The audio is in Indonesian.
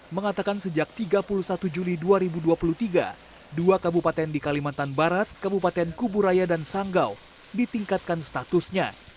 mengatakan sejak tiga puluh satu juli dua ribu dua puluh tiga dua kabupaten di kalimantan barat kabupaten kuburaya dan sanggau ditingkatkan statusnya